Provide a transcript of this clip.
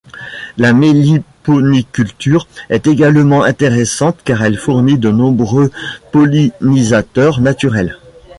La méliponiculture est également intéressante car elle fournit de nombreux pollinisateurs naturels.